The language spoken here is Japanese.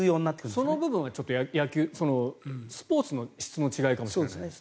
その部分は野球スポーツの質の違いかもしれませんね。